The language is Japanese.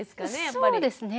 そうですね。